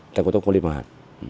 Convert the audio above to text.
trong công tác quản lý điều hành